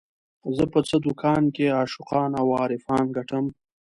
زه په څه دکان کې عاشقان او عارفان ګټم